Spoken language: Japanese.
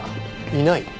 いない？